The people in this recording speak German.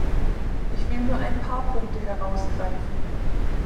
Ich will nur ein paar Punkte herausgreifen.